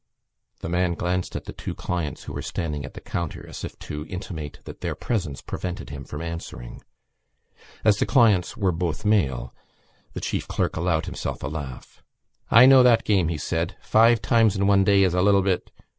The man glanced at the two clients who were standing at the counter as if to intimate that their presence prevented him from answering. As the clients were both male the chief clerk allowed himself a laugh. "I know that game," he said. "Five times in one day is a little bit....